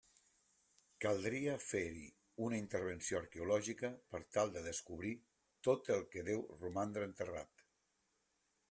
Caldria fer-hi una intervenció arqueològica per tal de descobrir tot el que deu romandre enterrat.